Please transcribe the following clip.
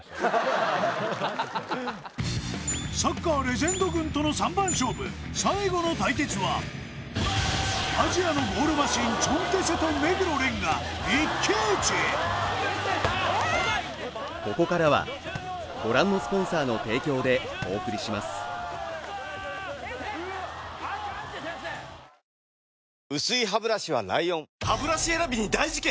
サッカーレジェンド軍との３番勝負最後の対決はアジアのゴールマシーンチョンテセと目黒蓮が薄いハブラシは ＬＩＯＮハブラシ選びに大事件！